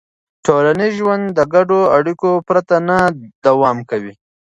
ټولنیز ژوند د ګډو اړیکو پرته نه دوام کوي.